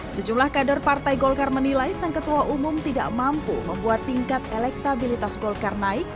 sejumlah kader partai golkar menilai sang ketua umum tidak mampu membuat tingkat elektabilitas golkar naik